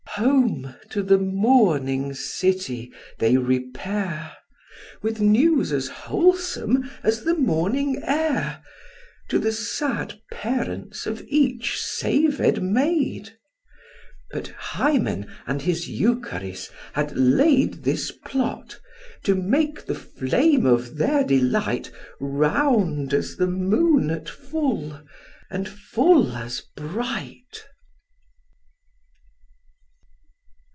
Home to the mourning city they repair, With news as wholesome as the morning air, To the sad parents of each saved maid: But Hymen and his Eucharis had laid This plat, to make the flame of their delight Round as the moon at full, and full as bright.